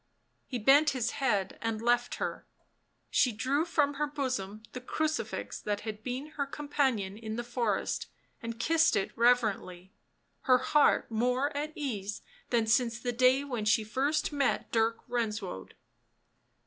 He bent his head and left her; she drew from her bosom the crucifix that had been her companion in the forest and kissed it reverently, her heart more at ease than since the day when first she met Dirk Renswoude.